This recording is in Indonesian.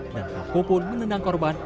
pelaku pun menendang korban